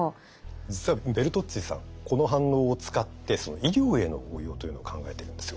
実はベルトッツィさんこの反応を使って医療への応用というのを考えているんですよ。